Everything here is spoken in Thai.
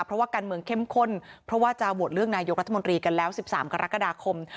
เพราะว่าการเมืองเข้มข้นเพราะว่าจะโหวตเลือกนายกรัฐมนตรีกันแล้ว๑๓กรกฎาคม